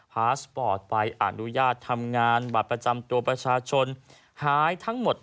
พาสปอร์ตใบอนุญาตทำงานบัตรประจำตัวประชาชนหายทั้งหมด